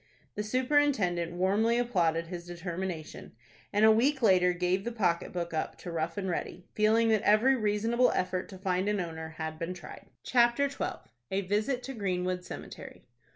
The superintendent warmly applauded his determination, and a week later gave the pocket book up to Rough and Ready, feeling that every reasonable effort to find an owner had been tried. CHAPTER XII. A VISIT TO GREENWOOD CEMETERY.